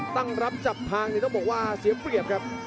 ตั้งรับจับทางต้องบอกว่าเสียเปรียบครับ